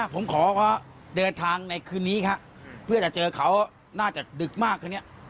ผมขอเดินทางในคืนนี้เพื่อจะเจอเขาน่าจะดึกมาก